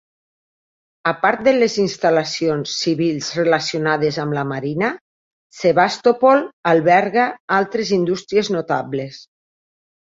Apart de les instal·lacions civils relacionades amb la marina, Sevastopol alberga altres indústries notables.